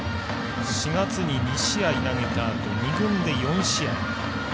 ４月に２試合投げたあと２軍で４試合。